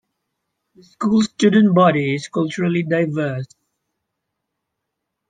The school's student body is culturally diverse.